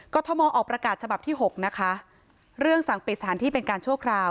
ทมออกประกาศฉบับที่๖นะคะเรื่องสั่งปิดสถานที่เป็นการชั่วคราว